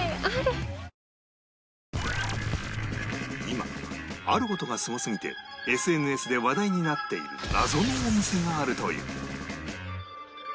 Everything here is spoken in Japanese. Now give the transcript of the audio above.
今ある事がすごすぎて ＳＮＳ で話題になっている謎のお店があるという